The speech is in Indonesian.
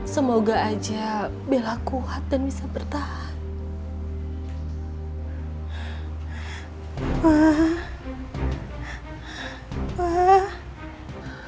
semoga aja bela kuat dan bisa bertahan